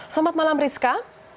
selamat malam rizka